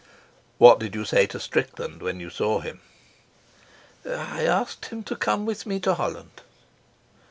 "What did you say to Strickland when you saw him?" "I asked him to come with me to Holland."